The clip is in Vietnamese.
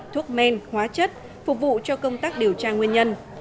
thuốc men hóa chất phục vụ cho công tác điều tra nguyên nhân